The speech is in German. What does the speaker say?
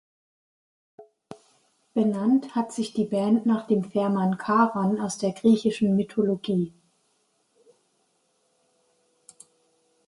Benannt hat sich die Band nach dem Fährmann Charon aus der griechischen Mythologie.